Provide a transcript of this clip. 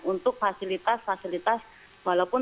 untuk fasilitas fasilitas walaupun